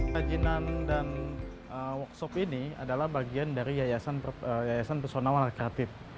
kerajinan dan workshop ini adalah bagian dari yayasan persona warna kreatif